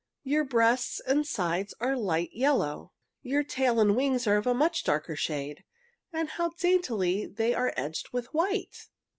Your breasts and sides are light yellow. Your tail and wings are of a much darker shade, and how daintily they are edged with white!"